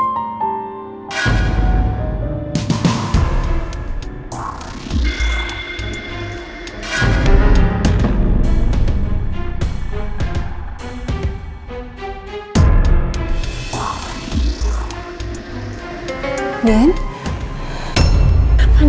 terima kasih banyak ya bu andien